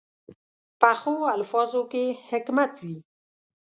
پخو الفاظو کې حکمت وي